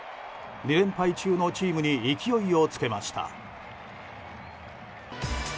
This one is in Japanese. ２連敗中のチームに勢いをつけました。